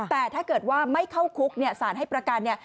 แต่ถ้าเกิดว่าไม่เข้าคุกสารให้ประกัน